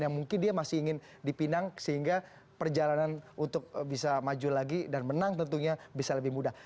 yang mungkin dia masih ingin dipinang sehingga perjalanan untuk bisa maju lagi dan menang tentunya bisa lebih mudah